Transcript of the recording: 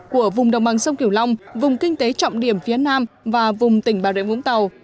của vùng đồng bằng sông kiểu long vùng kinh tế trọng điểm phía nam và vùng tỉnh bà rệ vũng tàu